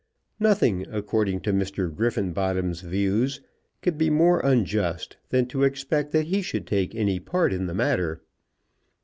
Nothing, according to Mr. Griffenbottom's views, could be more unjust than to expect that he should take any part in the matter.